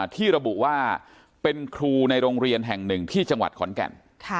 ที่ระบุว่าเป็นครูในโรงเรียนแห่งหนึ่งที่จังหวัดขอนแก่น